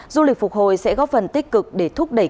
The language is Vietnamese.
du lịch phục hồi sẽ góp phần tích cực để thúc đẩy